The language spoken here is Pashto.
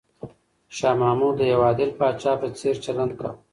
شاه محمود د یو عادل پاچا په څېر چلند کاوه.